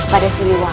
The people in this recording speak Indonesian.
kepada si luwak